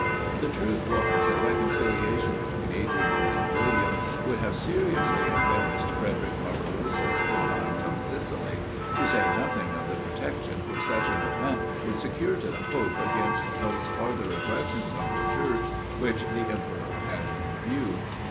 The truth was, a reconciliation between Adrian and William, would have seriously embarrassed Frederic Barbarossa's designs on Sicily; to say nothing of the protection which such an event would secure to the pope against those farther aggressions on the Church, which the emperor had in view.